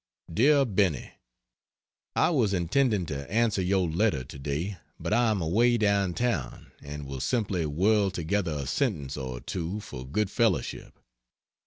Dear Benny I was intending to answer your letter to day, but I am away down town, and will simply whirl together a sentence or two for good fellowship.